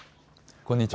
こんにちは。